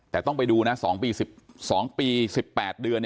แต่ต้องไปดูนะ๒ปี๑๒ปี๑๘เดือน